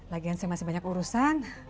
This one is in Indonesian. lagian saya masih banyak urusan